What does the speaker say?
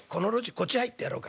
ここ曲がってやろうか？